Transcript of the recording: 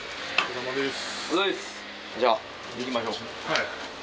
はい。